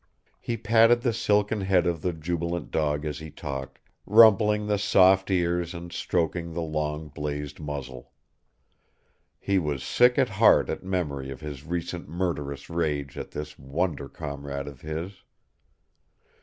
He patted the silken head of the jubilant dog as he talked, rumpling the soft ears and stroking the long, blazed muzzle. He was sick at heart at memory of his recent murderous rage at this wonder comrade of his.